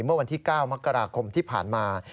เมื่อวันที่๙มกราคมที่ผ่านมา